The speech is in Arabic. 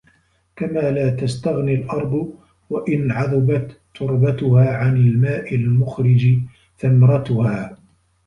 كَمَا لَا تَسْتَغْنِي الْأَرْضُ وَإِنْ عَذُبَتْ تُرْبَتُهَا عَنْ الْمَاءِ الْمُخْرِجِ ثَمَرَتُهَا